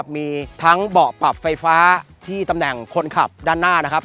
มีทั้งเบาะปรับไฟฟ้าที่ตำแหน่งคนขับด้านหน้านะครับ